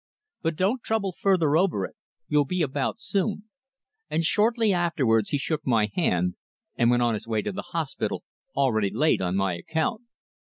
But don't trouble further over it, you'll be about soon," and shortly afterwards he shook my hand and went on his way to the hospital, already late on my account.